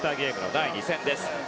第２戦です。